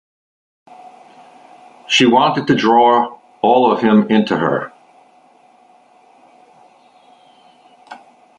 She wanted to draw all of him into her.